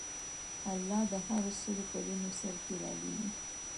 الله د هرو سلو کلونو سر کې رالېږي.